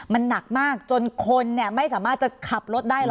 มันหนักมากจนคนไม่สามารถจะขับรถได้เหรอ